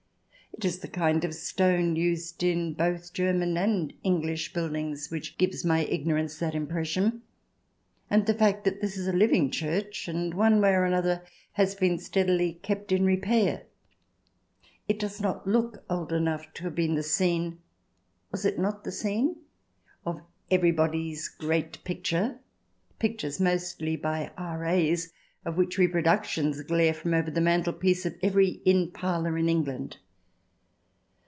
It is the kind of stone used 154 THE DESIRABLE ALIEN [ch. xi in both German and English buildings which gives my ignorance that impression, and the fact that this is a living church, and, one way or another, has been steadily kept in repair. It does not look old enough to have been the scene (was it not the scene ?) of Everybody's Great Picture ? pictures, mostly by R.A.'s, of which reproductions glare from over the mantelpiece of every inn parlour in England.